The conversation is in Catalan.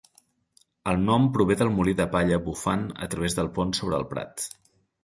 El nom prové del molí de palla bufant a través del pont sobre el prat.